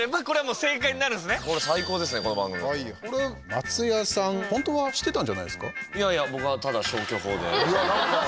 松也さん、本当は知ってたんじゃないですか？